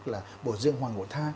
đó là bộ riêng hoàng ngộ tha